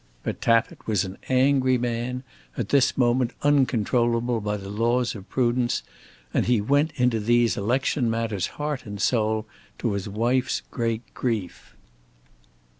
But Tappitt was an angry man, at this moment uncontrollable by the laws of prudence, and he went into these election matters heart and soul, to his wife's great grief.